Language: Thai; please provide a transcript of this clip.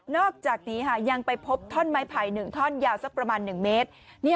อกจากนี้ยังไปพบท่อนไม้ไผ่๑ท่อนยาวสักประมาณ๑เมตร